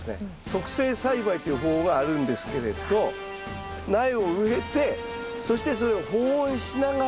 促成栽培という方法があるんですけれど苗を植えてそしてそれを保温しながらですね